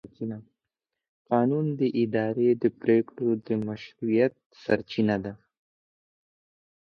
قانون د اداري پرېکړو د مشروعیت سرچینه ده.